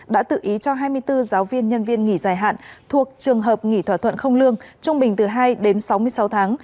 đã tự ý cho hai mươi bốn giáo viên nhân viên nghỉ dài hạn thuộc trường hợp nghỉ thỏa thuận không lương trung bình từ hai đến sáu mươi sáu tháng